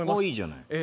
いいじゃない。